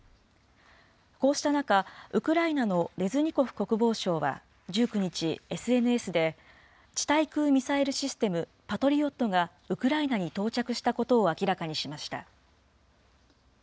こうした中、ウクライナのレズニコフ国防相は、１９日、ＳＮＳで地対空ミサイルシステム、パトリオットがウクライナに到着したことを明らかにしました。